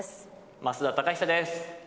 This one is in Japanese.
増田貴久です。